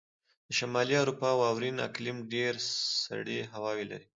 د شمالي اروپا واورین اقلیم ډېرې سړې هواوې لرلې.